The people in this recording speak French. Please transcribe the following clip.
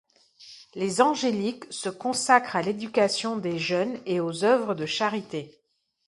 Les angéliques se consacrent à l'éducation des jeunes et aux œuvres de charité.